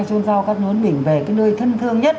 chôn rau các nốn mình về cái nơi thân thương nhất